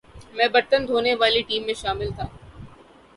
میں برتن دھونے والی ٹیم میں شامل تھا